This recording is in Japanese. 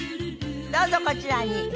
どうぞこちらに。